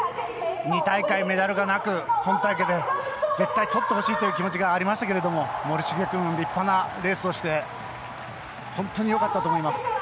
２大会、メダルがなく今大会、絶対とってほしいという気持ちがありましたけども森重君、立派なレースをして本当によかったと思います。